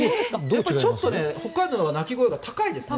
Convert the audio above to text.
ちょっと北海道のほうが鳴き声が高いですね。